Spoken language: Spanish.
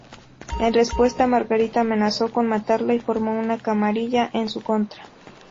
En respuesta, Margarita amenazó con matarla y formó una camarilla en su contra.